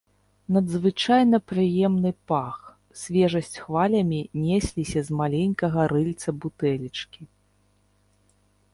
Надзвычайна прыемны пах, свежасць хвалямі несліся з маленькага рыльца бутэлечкі.